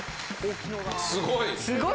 すごい。